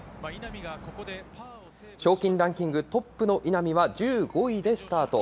賞金ランキングトップの稲見は１５位でスタート。